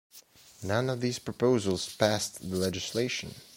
None of these proposals passed legislation.